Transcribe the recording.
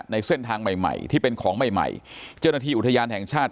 ในเส้นทางใหม่ใหม่ที่เป็นของใหม่ใหม่เจ้าหน้าที่อุทยานแห่งชาติ